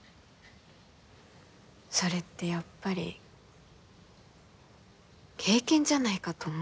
それってやっぱり経験じゃないかと思うんだよね。